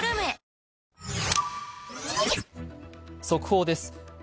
速報です。